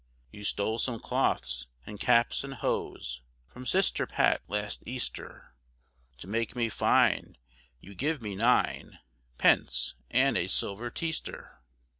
You stole some cloaths, And caps and hose, From sister Pat last Easter, To make me fine, You gave me nine Pence and a silver teaster.